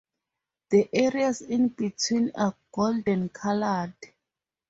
The areas in between are golden colored.